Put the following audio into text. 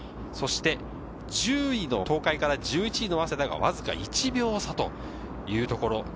そして１０位の東海から１１位の早稲田がわずか１秒差というところ。